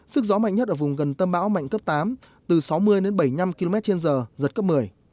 sức gió mạnh nhất ở vùng gần tâm bão mạnh cấp tám từ sáu mươi đến bảy mươi năm km trên giờ giật cấp một mươi